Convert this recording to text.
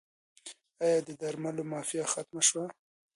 آیا د درملو مافیا ختمه شوه؟